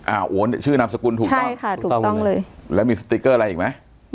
โอ้ชื่อนามสกุลถูกต้องใช่ค่ะถูกต้องเลยแล้วมีสติ๊กเกอร์อะไรอีกไหม